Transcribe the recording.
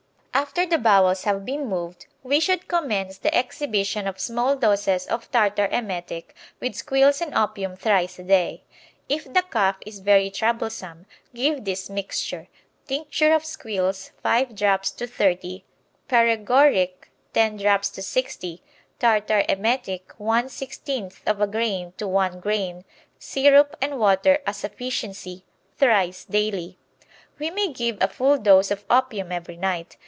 After the bowels have been moved we should commence the exhibition of small doses of tartar emetic with squills and opium thrice a day. If the cough is very troublesome, give this mixture: Tincture of squills, 5 drops to 30; paregoric, 10 drops to 60; tartar emetic, one sixteenth of a grain to 1 grain; syrup and water a sufficiency. Thrice daily. We may give a full dose of opium every night.